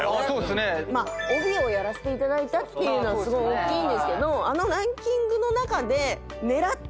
帯をやらせていただいたのはすごい大きいんですけどあのランキングの中で。